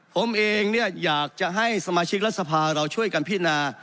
ผมเองอยากจะให้สมาชิกรัฐสภาเราช่วยกันพินา